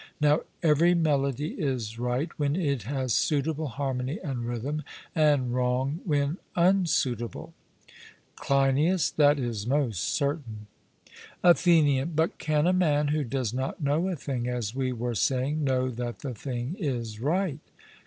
Now every melody is right when it has suitable harmony and rhythm, and wrong when unsuitable. CLEINIAS: That is most certain. ATHENIAN: But can a man who does not know a thing, as we were saying, know that the thing is right?